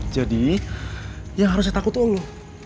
jadi yang harus saya takut tuh lo